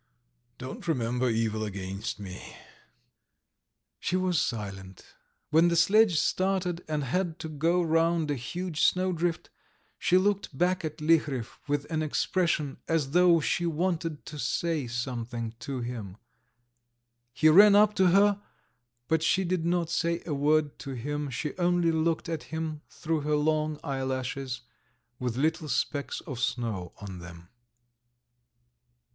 "Don't remember evil against me ...." She was silent. When the sledge started, and had to go round a huge snowdrift, she looked back at Liharev with an expression as though she wanted to say something to him. He ran up to her, but she did not say a word to him, she only looked at him through her long eyelashes with little specks of snow on them.